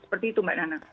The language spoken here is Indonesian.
seperti itu mbak nana